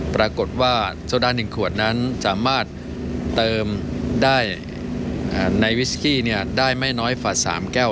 ปรากฏว่าโซดา๑ขวดนั้นสามารถเติมได้ในวิสกี้ได้ไม่น้อยกว่า๓แก้ว